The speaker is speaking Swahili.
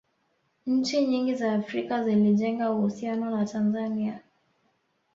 nchi nyingi za afrika zilijenga uhusiano na tanzania